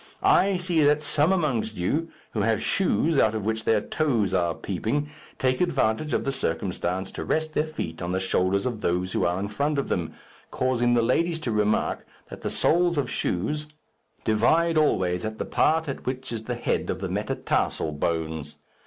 I see that some amongst you, who have shoes out of which their toes are peeping, take advantage of the circumstance to rest their feet on the shoulders of those who are in front of them, causing the ladies to remark that the soles of shoes divide always at the part at which is the head of the metatarsal bones.